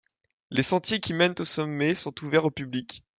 Les sentiers qui mènent au sommet sont ouverts au public.